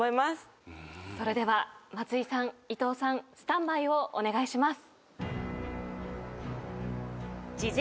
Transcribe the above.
それでは松井さん伊藤さんスタンバイをお願いします。